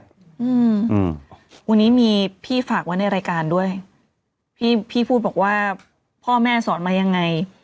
อืมวันนี้มีพี่ฝากไว้ในรายการด้วยพี่พี่พูดบอกว่าพ่อแม่สอนมายังไง